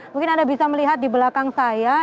mungkin anda bisa melihat di belakang saya